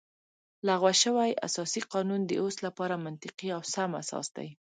لغوه شوی اساسي قانون د اوس لپاره منطقي او سم اساس دی